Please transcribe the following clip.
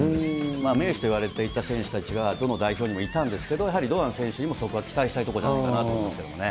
名手と言われていた選手たちがどの代表にもいたんですけど、やはり堂安選手にもそこは期待したいところじゃないかなと思いますけどね。